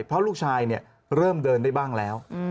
เพราะลูกชายเริ่มเดินได้บ้างแล้ว